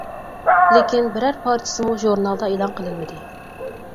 لېكىن، بىرەر پارچىسىمۇ ژۇرنالدا ئېلان قىلىنمىدى.